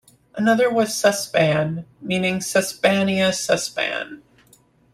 Another was "Sesban" meaning "Sesbania sesban".